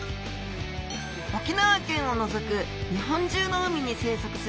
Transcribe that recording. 沖縄県を除く日本中の海に生息する